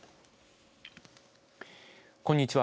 こんにちは。